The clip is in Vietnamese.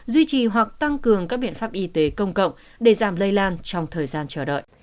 duy trì hoặc tăng cường các biện pháp y tế công cộng để giảm lây lan trong thời gian chờ đợi